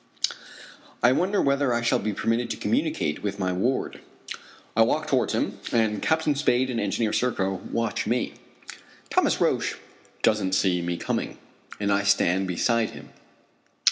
I wonder whether I shall be permitted to communicate with my ward. I walk towards him, and Captain Spade and Engineer Serko watch me. Thomas Roch doesn't see me coming, and I stand beside him.